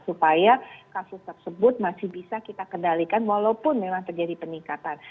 supaya kasus tersebut masih bisa kita kendalikan walaupun memang terjadi peningkatan